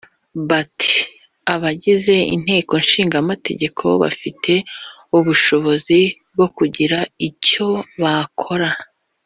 Bati “Abagize Inteko Ishinga Amategeko bafite ubushobozi bwo kugira icyo bakora